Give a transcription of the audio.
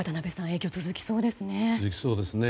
影響が続きそうですね。